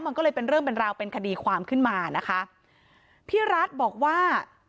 มันก็เลยเป็นเรื่องเป็นราวเป็นคดีความขึ้นมานะคะพี่รัฐบอกว่า